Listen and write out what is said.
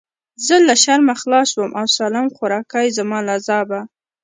زه له شرمه خلاص سوم او سالم خواركى زما له عذابه.